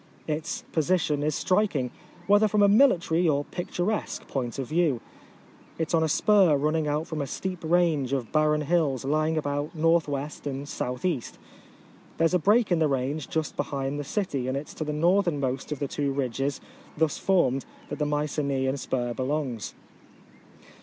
Its position is striking, whether from a military or picturesque point of view. It is on a spur running out from a steep range of barren hills lying about KW. and S.R There is a break in the range just behind the city, and it is to the northernmost of the two ridges thus formed that the Mycenaean spur belongs.